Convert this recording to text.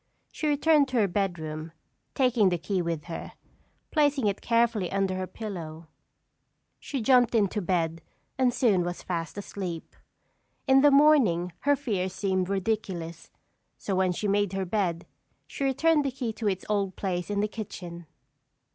She returned to her bedroom, taking the key with her. Placing it carefully under her pillow she jumped into bed and soon was fast asleep. In the morning her fears seemed ridiculous, so when she made her bed, she returned the key to its old place in the kitchen.